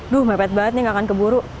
duh mepet banget nih gak akan keburu